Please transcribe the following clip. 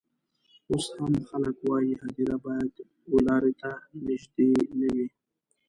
اوس هم خلک وايي هدیره باید و لاري ته نژدې نه وي.